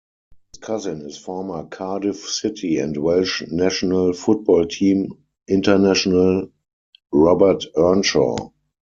His cousin is former Cardiff City and Welsh national football team international Robert Earnshaw.